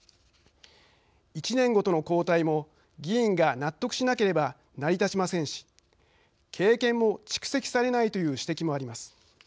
１年ごとの交代も議員が納得しなければ成り立ちませんし経験も蓄積されないという指摘もあります。